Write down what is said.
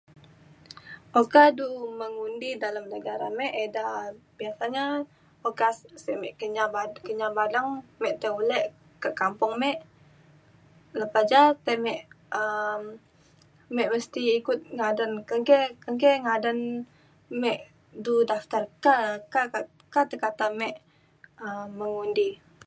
oka du mengundi dalem negara me ida biasanya oka sek me Kenyah Kenyah Badeng me tai ulek kak kampung me. lepa ja tai me um me mesti ikut ngadan kenggei kenggei ngadan me du daftar ka- ka- kata me um mengundi.